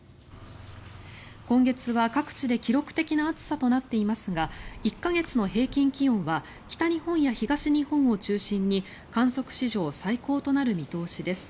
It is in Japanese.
今月は各地で記録的な暑さとなっていますが１か月の平均気温は北日本や東日本を中心に観測史上最高となる見通しです。